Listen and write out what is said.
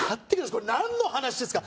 これ何の話ですか？